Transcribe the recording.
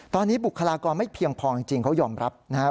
ตอนนี้บุคลากรไม่เพียงพอจริงเขายอมรับนะครับ